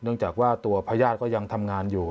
เนื่องจากตัวพยาศตร์ยังทำงานอยู่